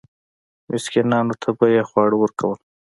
مسکینانو ته به یې خواړه ورکول.